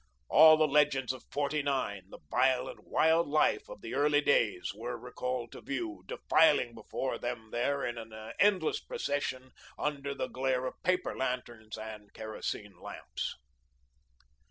All the legends of '49, the violent, wild life of the early days, were recalled to view, defiling before them there in an endless procession under the glare of paper lanterns and kerosene lamps.